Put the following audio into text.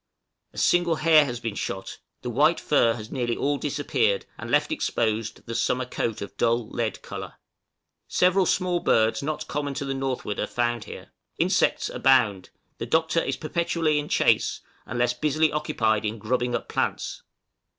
A single hare has been shot; the white fur has nearly all disappeared, and left exposed the summer coat of dull lead color. Several small birds not common to the northward are found here. Insects abound; the Doctor is perpetually in chase, unless busily occupied in grubbing up plants.